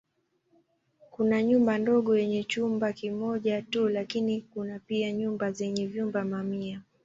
Kuna nyumba ndogo yenye chumba kimoja tu lakini kuna pia nyumba zenye vyumba mamia.